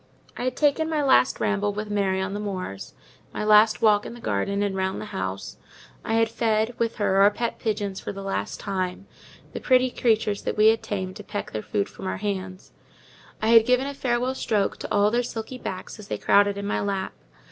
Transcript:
I had taken my last ramble with Mary on the moors, my last walk in the garden, and round the house; I had fed, with her, our pet pigeons for the last time—the pretty creatures that we had tamed to peck their food from our hands: I had given a farewell stroke to all their silky backs as they crowded in my lap.